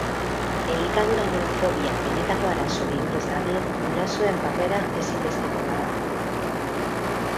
Elikadura neofobia benetako arazo bihur ez dadin gurasoen papera ezinbestekoa da.